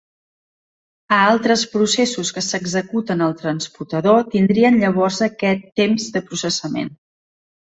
A altres processos que s'executen al transputador tindrien llavors aquest temps de processament.